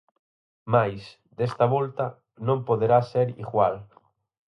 Mais, desta volta, non poderá ser igual.